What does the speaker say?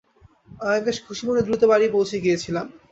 আমি বেশ খুশিমনে দ্রুত বাড়ি পৌছে গিয়েছিলাম।